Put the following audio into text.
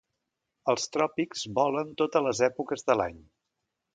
Als tròpics vola en totes les èpoques de l'any.